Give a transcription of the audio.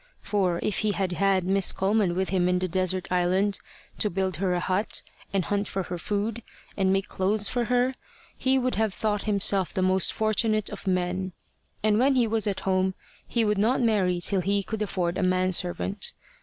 For, if he had had Miss Coleman with him in the desert island, to build her a hut, and hunt for her food, and make clothes for her, he would have thought himself the most fortunate of men; and when he was at home, he would not marry till he could afford a man servant.